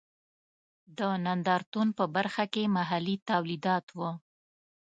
د نندارتون په برخه کې محلي تولیدات و.